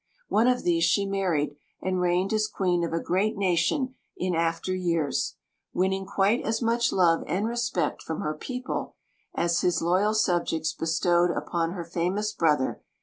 One of these she mar ried, and reigned as queen of a great nation in after years, winning quite as much love and respect from her people as his loyal subjects bestowed upon her famous brother.